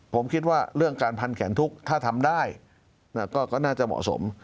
ผมคิดว่าเรื่องการพันแขนทุกข์ถ้าทำได้ก็น่าจะเหมาะสม